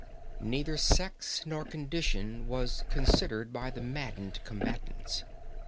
Neither sex nor condition was considered by the maddened combatants.